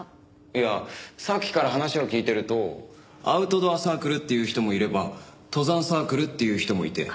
いやさっきから話を聞いてるとアウトドアサークルって言う人もいれば登山サークルって言う人もいて。